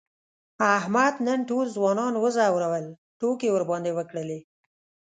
احمد نن ټول ځوانان و ځورول، ټوکې یې ورباندې وکړلې.